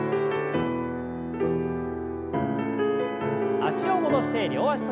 脚を戻して両脚跳び。